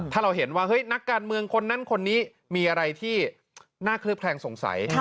ถ้าเราเห็นว่าเฮ้ยนักการเมืองคนนั้นคนนี้มีอะไรที่น่าเคลือบแคลงสงสัย